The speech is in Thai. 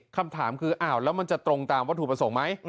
คำถามคืออ้าวแล้วมันจะตรงตามวัตถุประสงค์ไหม